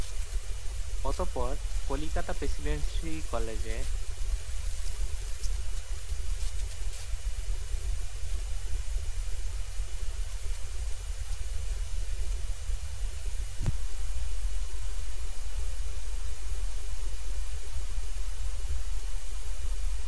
তিনি ভালোবেসে ফেলেন রোমানীয় ভাষা ও সংস্কৃতিকে।